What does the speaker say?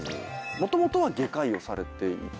もともとは外科医をされていた。